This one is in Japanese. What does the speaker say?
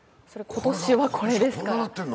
今年はこれですから。